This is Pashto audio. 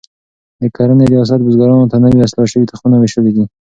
د کرنې ریاست بزګرانو ته نوي اصلاح شوي تخمونه ویشلي دي.